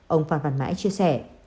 ông phan văn mãi chia sẻ